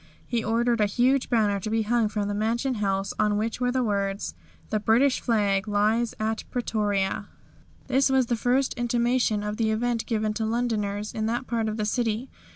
He ordered a huge banner to be hung from the Mansion House on which were the words "THE BRITISH FLAG FLIES AT PRETORIA." This was the first intimation of the event given to Londoners in that part of the city.